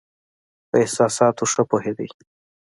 په احساساتو ښه پوهېدی.